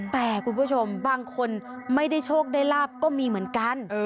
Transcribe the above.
แต่คุณผู้ชมบางคนไม่ได้โชคได้ลาบก็มีเหมือนกัน